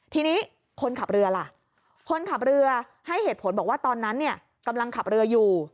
ทีนี้คนขับเรือล่ะคนขับเรือให้เหตุผลบอกว่าตอนนั้นเนี่ยกำลังขับเรืออยู่